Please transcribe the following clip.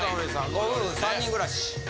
ご夫婦３人暮らし。